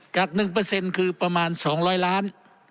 จาก๑คือประมาณ๒๐๐ล้าน